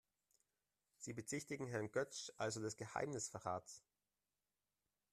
Sie bezichtigen Herrn Götsch also des Geheimnisverrats?